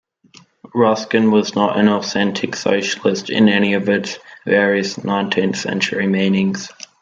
Ruskin was not an authentic Socialist in any of its various nineteenth-century meanings.